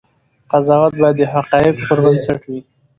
قضاوت باید د حقایقو پر بنسټ وي.